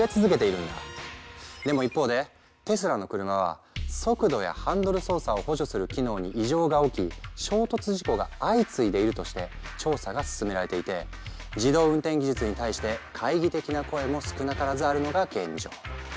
でも一方でテスラの車は速度やハンドル操作を補助する機能に異常が起き衝突事故が相次いでいるとして調査が進められていて自動運転技術に対して懐疑的な声も少なからずあるのが現状。